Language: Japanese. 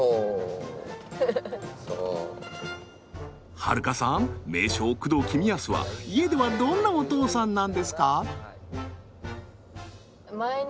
遥加さん名将工藤公康は家ではどんなお父さんなんですか？